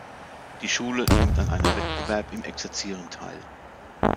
Die Schule nimmt an einem Wettbewerb im Exerzieren teil.